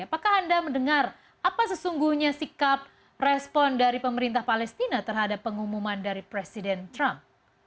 apakah anda mendengar apa sesungguhnya sikap respon dari pemerintah palestina terhadap pengumuman dari presiden trump